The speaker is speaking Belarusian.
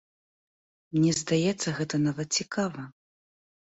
Мне здаецца, гэта нават цікава.